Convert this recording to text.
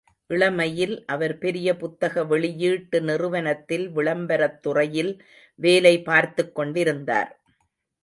இளமையில் அவர், பெரிய புத்தக வெளியீட்டு நிறுவனத்தில் விளம்பரத் துறையில் வேலை பார்த்துக்கொண்டிருந்தார்.